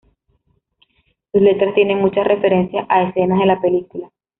Sus letras tienen muchas referencias a escenas de la película.